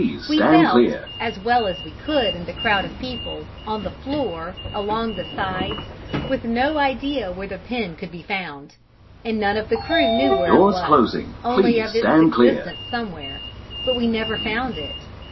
We felt, as well as we could in the crowd of people, on the floor, along the sides, with no idea where the pin could be found, and none of the crew knew where it was, only of its existence somewhere, but we never found it.